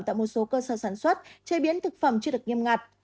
tại một số cơ sở sản xuất chế biến thực phẩm chưa được nghiêm ngặt